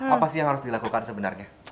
apa sih yang harus dilakukan sebenarnya